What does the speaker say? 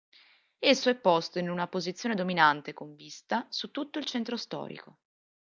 Esso è posto in una posizione dominante con vista su tutto il centro storico.